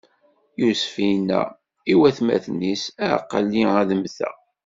Yusef inna i watmaten-is: Aql-i ad mmteɣ!